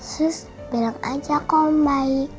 sus bilang aja ke om baik